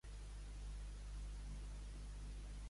A prop i a llevant dels Restobles es troba la Poua Vilardell.